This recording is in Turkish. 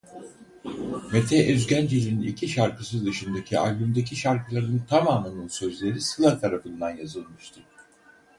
Mete Özgencil'in iki şarkısı dışındaki albümdeki şarkıların tamamının sözleri Sıla tarafından yazılmıştı.